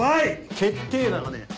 決定打がねえ。